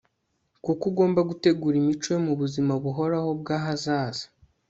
kuko ugomba gutegura imico yo mu buzima buhoraho bw'ahazaza